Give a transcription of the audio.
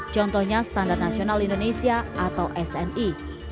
contohnya standar nasional indonesia atau sni